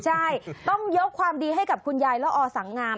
ใช่ต้องยกความดีให้กับคุณยายละอสังงาม